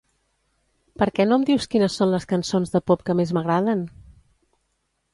Per què no em dius quines són les cançons de pop que més m'agraden?